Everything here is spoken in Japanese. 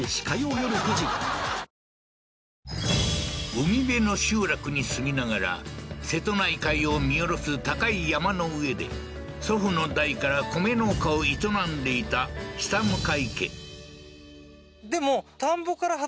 海辺の集落に住みながら瀬戸内海を見下ろす高い山の上で祖父の代から米農家を営んでいた下向家ええー